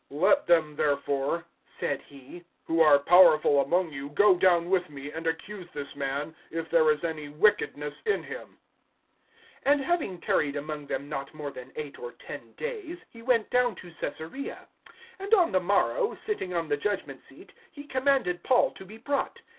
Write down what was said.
(5)Let them therefore, said he, who are powerful among you, go down with me, and accuse this man, if there is any wickedness in him. (6)And having tarried among them not more than eight or ten days, he went down to Caesarea; and on the morrow, sitting on the judgment seat, he commanded Paul to be brought.